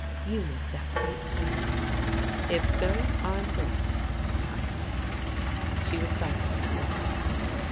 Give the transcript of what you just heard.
You made that quite plain. "If so, I'm glad," I said. She was silent a moment.